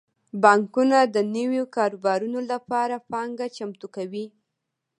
بانکونه د نویو کاروبارونو لپاره پانګه چمتو کوي.